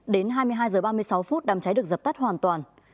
đến hai mươi hai h ba mươi sáu phút đám cháy được dập tắt hoàn toàn